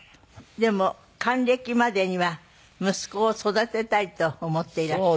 でも還暦までには息子を育てたいと思っていらっしゃる。